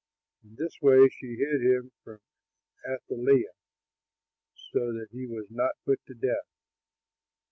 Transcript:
In this way she hid him from Athaliah, so that he was not put to death.